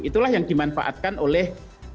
itulah yang dimanfaatkan oleh